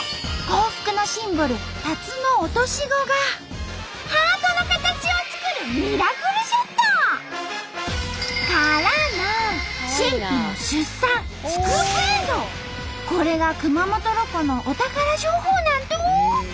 幸福のシンボル「タツノオトシゴ」がハートの形を作るミラクルショット！からのこれが熊本ロコのお宝情報なんと！